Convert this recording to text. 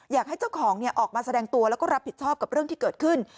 อยากให้เจ้าของออกมาแสดงตัวแล้วก็รับผิดชอบกับเรื่องที่เกิดขึ้น